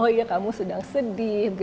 oh iya kamu sedang sedih